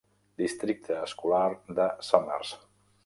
Districte escolar de Somers.